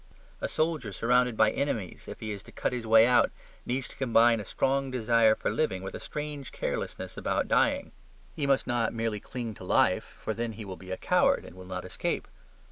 A soldier surrounded by enemies, if he is to cut his way out, needs to combine a strong desire for living with a strange carelessness about dying. He must not merely cling to life, for then he will be a coward, and will not escape.